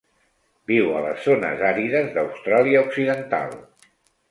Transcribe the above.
Viu a les zones àrides d'Austràlia Occidental.